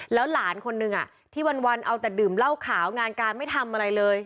แล้วหลานคนนึงที่วันเอาแต่ดื่มเหล้าขาวงานการไม่ทำอะไรเลย